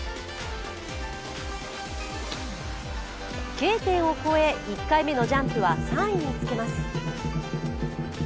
Ｋ点を越え、１回目のジャンプは３位につけます。